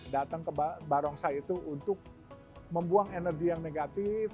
datang ke barongsai itu untuk membuang energi yang negatif